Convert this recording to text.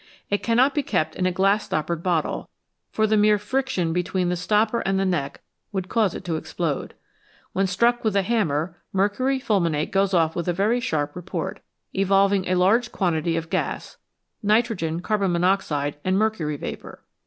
It cannot be kept in a glass stoppered bottle, for the mere friction between the stopper and the neck would cause it to explode. When struck with a hammer mercury fulminate goes off with a very sharp report, evolving a large quantity of gas nitrogen, carbon monoxide, and mercury vapour.